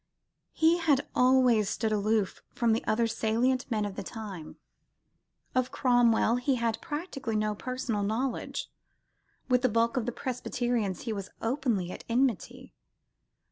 He had always stood aloof from the other salient men of the time. Of Cromwell he had practically no personal knowledge: with the bulk of the Presbyterians he was openly at enmity.